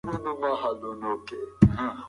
په دښته کې د اوبو د ژورې څاه کیندل ستونزمن دي.